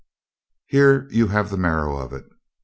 "Here you have the marrow of it.